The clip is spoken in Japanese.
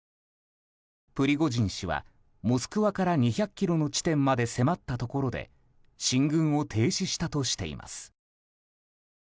プリゴジン氏は、モスクワから２００ｋｍの地点まで迫ったところで進軍を停止したとしています。